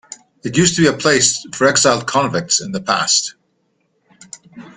It used to be a place for exiled convicts in the past.